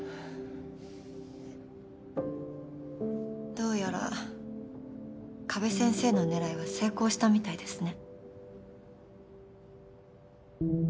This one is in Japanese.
どうやら加部先生の狙いは成功したみたいですね。